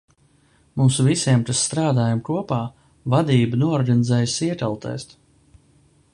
Mums visiem, kas strādājam kopā, vadība noorganizēja siekalu testu.